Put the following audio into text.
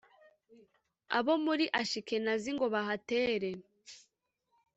abo muri Ashikenazi ngo bahatere